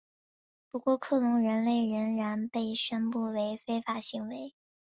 不过克隆人类仍然被宣布为非法行为。